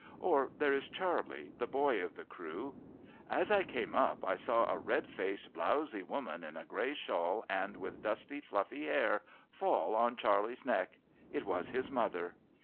Or there is Charley, the boy of the crew "As I came up I saw a red faced, blowzy woman, in a grey shawl, and with dusty, fluffy hair, fall on Charley's neck. It was his mother.